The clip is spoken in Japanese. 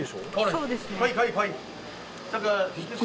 そうですね。